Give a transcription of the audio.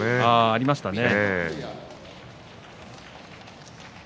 ありましたね。